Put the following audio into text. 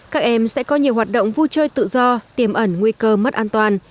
các em sẽ có nhiều hoạt động vui chơi tự do tiềm ẩn nguy cơ mất an toàn